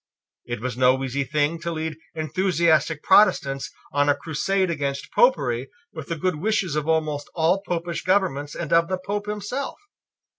It was no easy thing to lead enthusiastic Protestants on a crusade against Popery with the good wishes of almost all Popish governments and of the Pope himself.